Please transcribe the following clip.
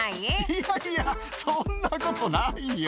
「いやいやそんなことないよ！